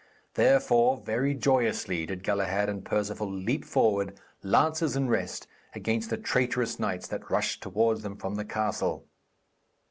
Therefore, very joyously did Galahad and Perceval leap forward, lances in rest, against the traitorous knights that rushed towards them from the castle.